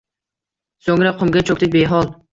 So’ngra qumga cho’kdi behol